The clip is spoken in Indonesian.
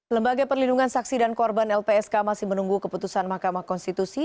lembaga perlindungan saksi dan korban lpsk masih menunggu keputusan mahkamah konstitusi